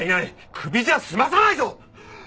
クビじゃ済まさないぞ！